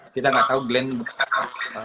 kita gak tau glenn